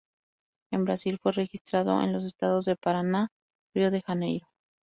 En Brasil fue registrado en los estados de: Paraná, Río de Janeiro.